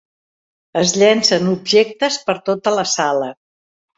Es llencen objectes per tota la sala.